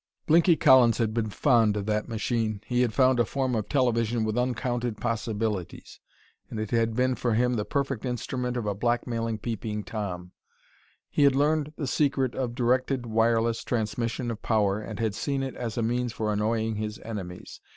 Blinky Collins had been fond of that machine. He had found a form of television with uncounted possibilities, and it had been for him the perfect instrument of a blackmailing Peeping Tom; he had learned the secret of directed wireless transmission of power and had seen it as a means for annoying his enemies.